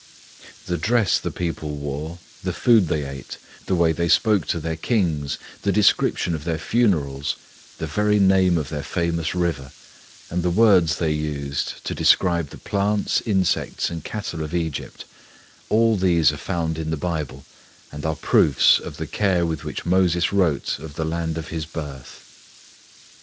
The dress the people wore, the food they ate, the way they spoke to their kings, the description of their funerals, the very name of their famous river, and the words they used to describe the plants, insects, and cattle of Egypt all these are found in the Bible and are proofs of the care with which Moses wrote of the land of his birth.